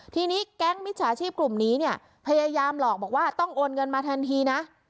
ทีนี้แก๊งมิจฉาชีพกลุ่มนี้เนี่ยพยายามหลอกบอกว่าต้องโอนเงินมาทันทีนะ